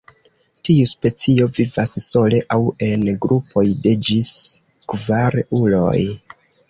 Tiu specio vivas sole aŭ en grupoj de ĝis kvar uloj.